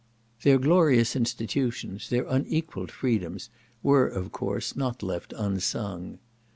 Their glorious institutions, their unequalled freedom, were, of course, not left unsung.